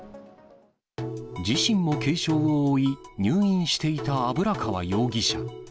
自身も軽傷を負い、入院していた油川容疑者。